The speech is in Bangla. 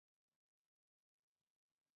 বইটা এখানে ছিল।